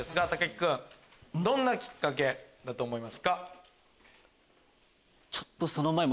木君どんなキッカケだと思いますか？